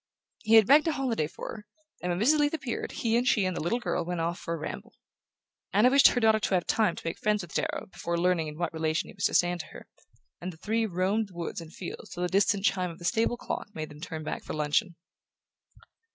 He had begged a holiday for her, and when Mrs. Leath appeared he and she and the little girl went off for a ramble. Anna wished her daughter to have time to make friends with Darrow before learning in what relation he was to stand to her; and the three roamed the woods and fields till the distant chime of the stable clock made them turn back for luncheon.